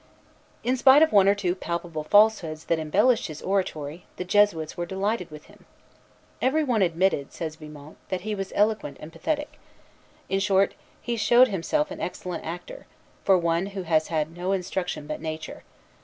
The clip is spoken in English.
In spite of one or two palpable falsehoods that embellished his oratory, the Jesuits were delighted with him. "Every one admitted," says Vimont, "that he was eloquent and pathetic. In short, he showed himself an excellent actor, for one who has had no instructor but Nature.